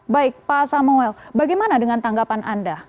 baik pak samuel bagaimana dengan tanggapan anda